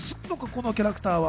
このキャラクターは。